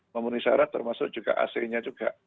memenuhi syarat termasuk juga ac nya juga